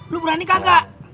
lu berani kagak